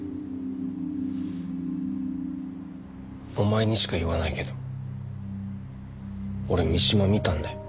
お前にしか言わないけど俺三島見たんだよ。